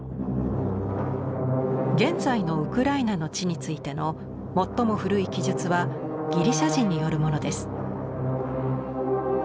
現在のウクライナの地についての最も古い記述はギリシャ人によるものです。